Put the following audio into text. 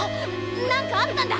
なんかあったんだ！